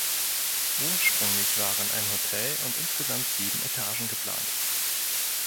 Ursprünglich waren ein Hotel und insgesamt sieben Etagen geplant.